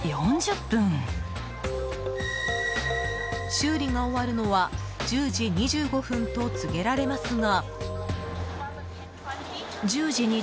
修理が終わるのは１０時２５分と告げられますが。